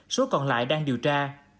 số còn lại đang điều tra